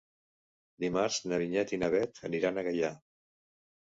Dimarts na Vinyet i na Bet aniran a Gaià.